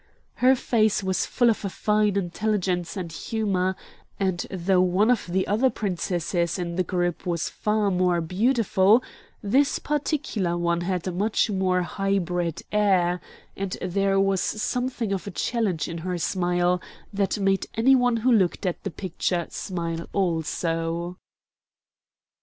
Her face was full of a fine intelligence and humor, and though one of the other princesses in the group was far more beautiful, this particular one had a much more high bred air, and there was something of a challenge in her smile that made any one who looked at the picture smile also.